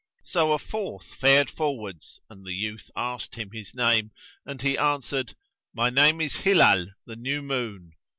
So a fourth fared forwards and the youth asked him his name and he answered, "My name is Hilál, the New Moon."